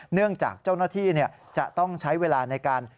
เนื่องจากเจ้าหน้าที่จะต้องใช้เวลาในการ